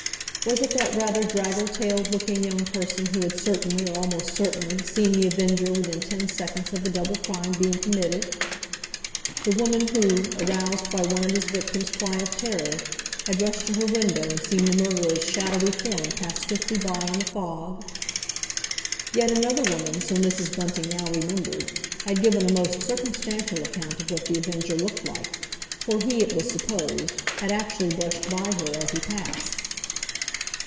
Was it that rather draggle tailed looking young person who had certainly, or almost certainly, seen The Avenger within ten seconds of the double crime being committed? The woman who, aroused by one of his victims' cry of terror, had rushed to her window and seen the murderer's shadowy form pass swiftly by in the fog? Yet another woman, so Mrs. Bunting now remembered, had given a most circumstantial account of what The Avenger looked like, for he, it was supposed, had actually brushed by her as he passed.